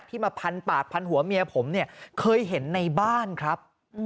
มาพันปากพันหัวเมียผมเนี่ยเคยเห็นในบ้านครับ